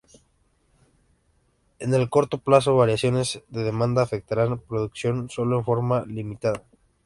En el corto plazo variaciones de demanda afectaran producción solo en forma limitada.